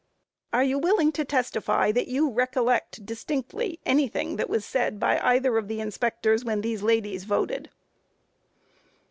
Q. Are you willing to testify that you recollect distinctly, anything that was said by either of the inspectors when these ladies voted?